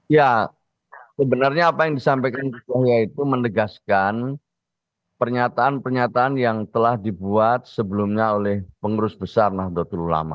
ya sebenarnya apa yang disampaikan ketuanya itu menegaskan pernyataan pernyataan yang telah dibuat sebelumnya oleh pengurus besar nahdlatul ulama